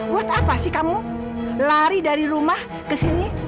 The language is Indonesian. buat apa sih kamu lari dari rumah ke sini